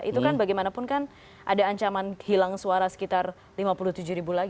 itu kan bagaimanapun kan ada ancaman hilang suara sekitar lima puluh tujuh ribu lagi